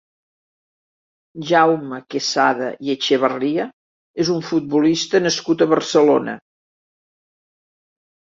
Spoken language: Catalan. Jaume Quesada i Echevarria és un futbolista nascut a Barcelona.